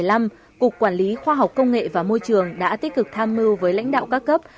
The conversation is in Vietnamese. năm hai nghìn một mươi năm cục quản lý khoa học công nghệ và môi trường đã tích cực tham mưu với lãnh đạo các cấp